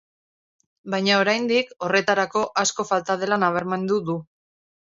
Baina oraindik, horretarako, asko falta dela nabarmendu du.